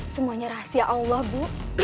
semuanya rahasia allah bu